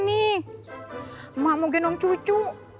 nih emak mau gendong cucu